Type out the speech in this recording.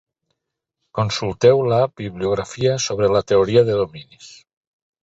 Consulteu la bibliografia sobre la teoria de dominis.